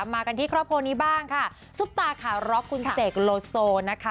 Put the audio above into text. มากันที่ครอบครัวนี้บ้างค่ะซุปตาขาร็อกคุณเสกโลโซนะคะ